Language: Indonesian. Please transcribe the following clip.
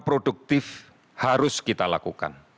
produktif harus kita lakukan